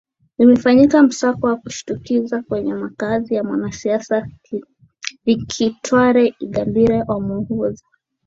imefanya msako wa kushtukiza kwenye makaazi ya mwanasiasa vikitware ingabire omuhoza